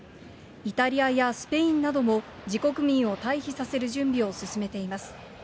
イタリアやスペインなども自国民を退避させる準備を進めています。